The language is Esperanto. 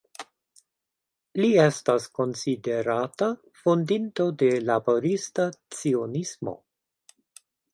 Li estas konsiderata fondinto de Laborista Cionismo.